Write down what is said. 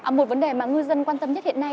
một vấn đề mà ngư dân quan tâm nhất hiện nay